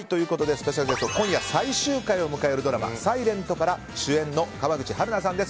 今夜最終回を迎えるドラマ「ｓｉｌｅｎｔ」から主演の川口春奈さんです。